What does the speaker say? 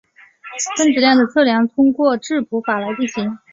分子量的测量通过质谱法来进行。